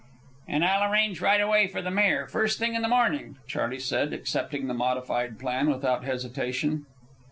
"And I'll arrange right away for the mare, first thing in the morning," Charley said, accepting the modified plan without hesitation.